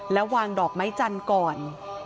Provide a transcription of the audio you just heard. แล้ววางดอกไม้จันทร์ก่อน